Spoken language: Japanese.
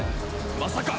まさか。